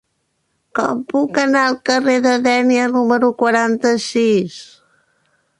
Com puc anar al carrer de Dénia número quaranta-sis?